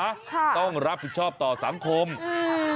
ค่ะต้องรับผิดชอบต่อสังคมอืม